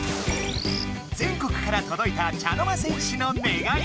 全国からとどいた茶の間戦士の願い。